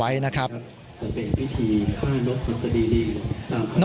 สมุยปริติจากพระอาทิตย์อาสดอง